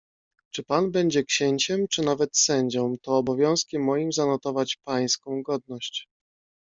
"Czy pan będzie księciem, czy nawet sędzią, to obowiązkiem moim zanotować pańską godność."